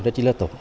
rất là tốt